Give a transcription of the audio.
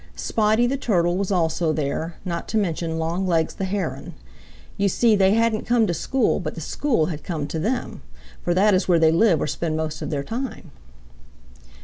Spotty the Turtle was also there, not to mention Longlegs the Heron. You see, they hadn't come to school but the school had come to them, for that is where they live or spend most of their time.